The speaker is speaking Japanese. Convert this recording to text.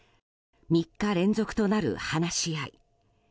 ３日連続となる話し合い。